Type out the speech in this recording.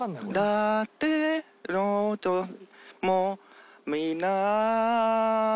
「だてろともみなー」